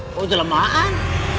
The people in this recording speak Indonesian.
oh udah lemah an